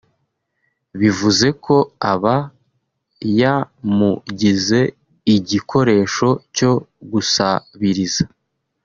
bivuze ko aba yamugize igikoresho cyo gusabiriza